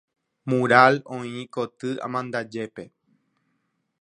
Mural oĩ koty amandajépe.